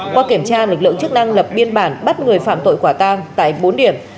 qua kiểm tra lực lượng chức năng lập biên bản bắt người phạm tội quả tang tại bốn điểm